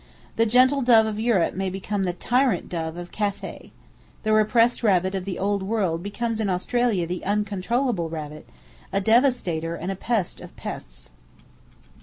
The gentle dove of Europe may become the tyrant dove of Cathay. The Repressed Rabbit of the Old World becomes in Australia the Uncontrollable Rabbit, a devastator and a pest of pests.